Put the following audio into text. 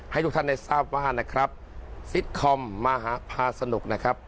ให้ทุกท่านได้ทราบว่านะครับซิตคอมมหาพาสนุกนะครับ